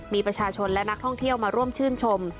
มีประชาชนและนักท่องเที่ยวมาร่วมชื่นชม